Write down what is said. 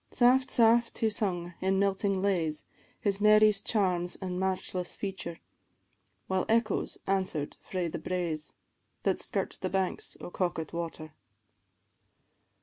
Saft, saft he sung, in melting lays, His Mary's charms an' matchless feature, While echoes answer'd frae the braes, That skirt the banks of Coquet water.